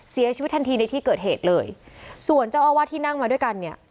เสียชีวิตทันทีในที่เกิดเหตุเลยส่วนเจ้าอาวาสที่นั่งมาด้วยกันเนี่ย